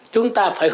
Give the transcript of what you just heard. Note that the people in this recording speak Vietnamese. chúng ta phải hứa